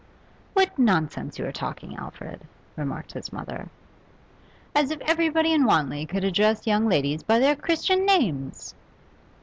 'What nonsense you are talking, Alfred!' remarked his mother. 'As if everybody in Wanley could address young ladies by their Christian names!